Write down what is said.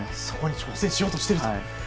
そこに挑戦しようとしていると。